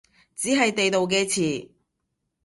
只係地道嘅詞